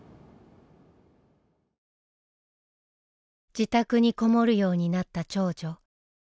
自宅にこもるようになった長女。